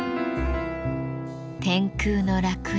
天空の楽園。